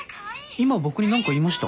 今僕に何か言いました？